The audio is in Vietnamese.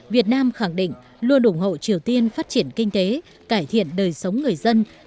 việt nam khẳng định luôn ủng hộ triều tiên phát triển kinh tế cải thiện đời sống người dân